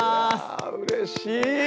うれしい！